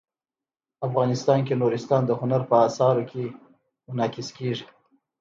افغانستان کې نورستان د هنر په اثار کې منعکس کېږي.